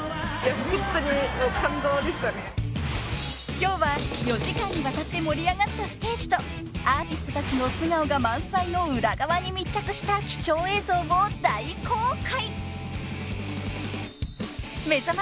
［今日は４時間にわたって盛り上がったステージとアーティストたちの素顔が満載の裏側に密着した貴重映像を大公開！］